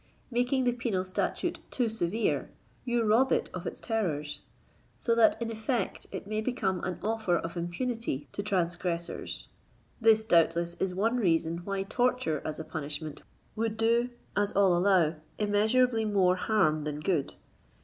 Making the penal statute too severe, you rob it of its terrors, so that In effect it may become an offer of impunity to transgressors. This, doubtless, is one reason why torture as a punishment would do, as all allow, immeasurably more harm than good.